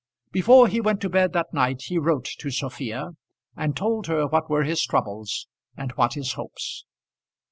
Before he went to bed that night he wrote to Sophia, and told her what were his troubles and what his hopes.